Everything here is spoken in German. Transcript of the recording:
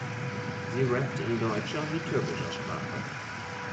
Sie rappt in deutscher wie türkischer Sprache.